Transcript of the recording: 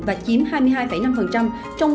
và chiếm hai mươi hai năm trong tổng kim ngạch